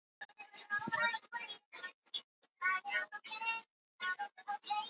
Ndege wanachoka choka na hawataki kula Chakula chochote kile kwa wakati sahihi